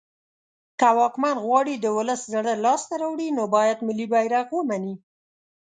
که واکمن غواړی د ولس زړه لاس ته راوړی نو باید ملی بیرغ ومنی